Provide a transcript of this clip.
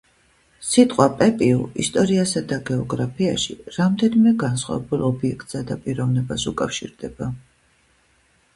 სიტყვა „პეპიუ“ ისტორიასა და გეოგრაფიაში რამდენიმე განსხვავებულ ობიექტსა და პიროვნებას უკავშირდება